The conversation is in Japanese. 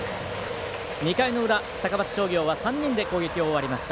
２回の裏、高松商業は３人で攻撃を終わりました。